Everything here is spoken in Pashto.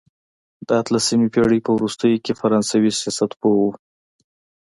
د اتلسمې پېړۍ په وروستیو کې فرانسوي سیاستپوه وو.